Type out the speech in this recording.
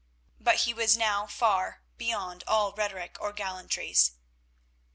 But he was now far beyond all rhetoric or gallantries.